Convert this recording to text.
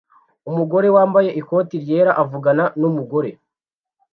Umugore wambaye ikote ryera avugana numugore